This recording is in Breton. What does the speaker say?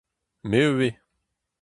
Me ivez !